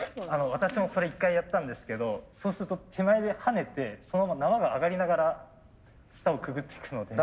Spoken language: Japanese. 私もそれ一回やったんですけどそうすると手前で跳ねてそのまま縄が上がりながら下をくぐっていくので。